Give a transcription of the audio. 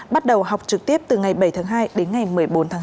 bắt đầu học trực tiếp từ ngày bảy tháng hai đến ngày một mươi bốn tháng chín